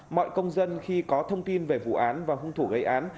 mọi công dân khi có thông tin về vụ án và hung thủ gây án